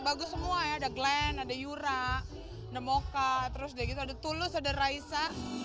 bagus semua ya ada glenn ada yura ada moka ada tulus ada raisa